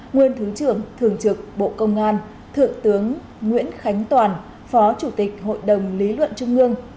nguyên thứ trưởng thường trực bộ công an thượng tướng nguyễn khánh toàn phó chủ tịch hội đồng lý luận trung ương